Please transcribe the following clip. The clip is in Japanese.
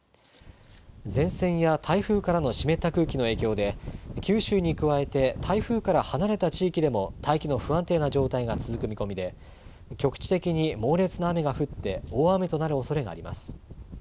前線や台風からの湿った空気の影響で九州に加えて台風から離れた地域でも大気の不安定な状態が続く見込みで局地的に猛烈な雨が降って大雨となるおそれがあります。